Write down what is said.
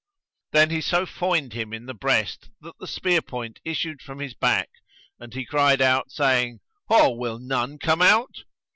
Then he so foined him in the breast that the spear point issued from his back and he cried out, saying, "Ho! will none come out?